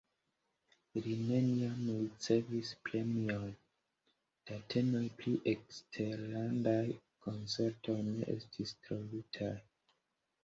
Li neniam ricevis premion, datenoj pri eksterlandaj koncertoj ne estis trovitaj.